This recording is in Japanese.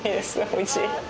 おいしい。